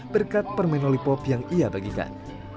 berkat permenolipop yang ia bagikan